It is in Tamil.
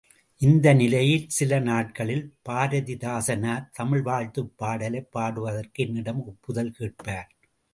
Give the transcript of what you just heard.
இந்த நிலையில், சில நாட்களில், பாரதிதாசனார் தமிழ் வாழ்த்துப் பாடலைப் பாடுவதற்கு என்னிடம் ஒப்புதல் கேட்பர்.